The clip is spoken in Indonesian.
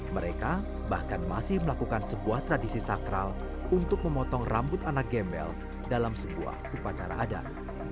mereka bahkan masih melakukan sebuah tradisi sakral untuk memotong rambut anak gembel dalam sebuah upacara adat